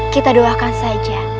kita doakan saja